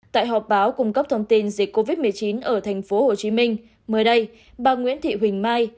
tại họp báo cung cấp thông tin dịch covid một mươi chín ở tp hcm mới đây bà nguyễn thị huỳnh mai